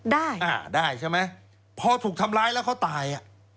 ได้อ่าได้ใช่ไหมพอถูกทำร้ายแล้วเขาตายอ่ะ